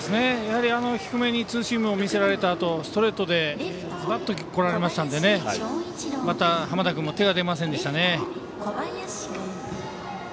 低めにツーシームを見せられたあとストレートでズバッと来られましたので濱田君も手が出ませんでしたね。